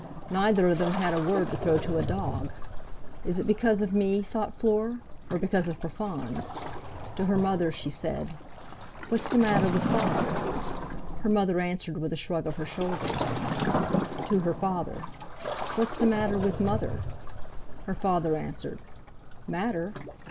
Neither of them had a word to throw to a dog. 'Is it because of me?' thought Fleur. 'Or because of Profond?' To her mother she said: "What's the matter with Father?" Her mother answered with a shrug of her shoulders. To her father: "What's the matter with Mother?" Her father answered: "Matter?